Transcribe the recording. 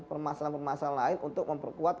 permasalahan permasalahan lain untuk memperkuat